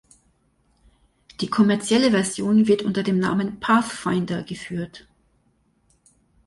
Die kommerzielle Version wird unter dem Namen „Pathfinder“ geführt.